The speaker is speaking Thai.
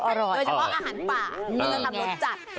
โดยเฉพาะอาหารป่ามันจะทำรสจัด